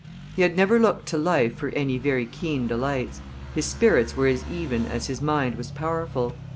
He had never looked to life for any very keen delights; his spirits were as even as his mind was powerful.